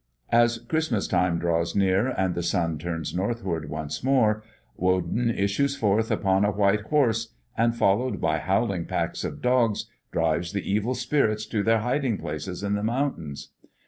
As Christmas time draws near, and the sun turns northward once more, Woden issues forth upon a white horse, and, followed by howling packs of dogs, drives the evil spirits to their hiding places in the mountains.